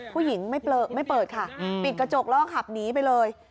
ผู้หญิงไม่เปิดค่ะปิดกระจกแล้วก็ขับหนีไปเลย